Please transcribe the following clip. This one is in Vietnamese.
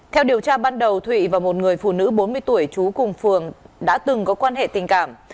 theo điều tra ban đầu thụy và một người phụ nữ bốn mươi tuổi trú cùng phường đã từng có quan hệ tình cảm